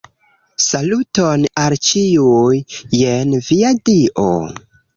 Saluton al ĉiuj, jen via dio.